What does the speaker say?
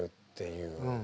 うん。